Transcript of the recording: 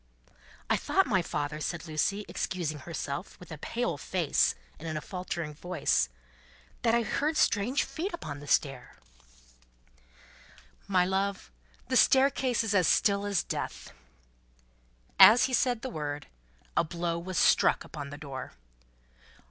"I thought, my father," said Lucie, excusing herself, with a pale face and in a faltering voice, "that I heard strange feet upon the stairs." "My love, the staircase is as still as Death." As he said the word, a blow was struck upon the door.